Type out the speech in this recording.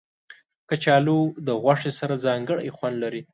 کچالو د غوښې سره ځانګړی خوند لري